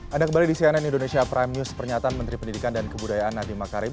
anda kembali di cnn indonesia prime news pernyataan menteri pendidikan dan kebudayaan nadiem makarim